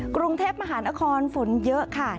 กรุงเทพมหานครฝนเยอะค่ะ